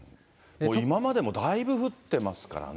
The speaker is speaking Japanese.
今までもだいぶ降ってますからね。